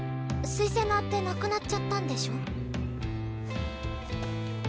推薦の当てなくなっちゃったんでしょ？